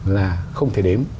là không thể đếm